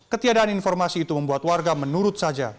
ketiadaan informasi itu membuat warga menurut saja